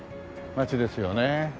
街ですよね。